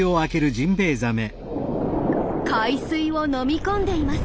海水を飲み込んでいます。